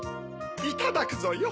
いただくぞよ。